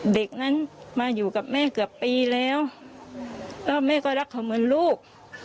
เด็กนั้นมาอยู่กับแม่เกือบปีแล้วแล้วแม่ก็รักเขาเหมือนลูก